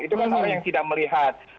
itu kan orang yang tidak melihat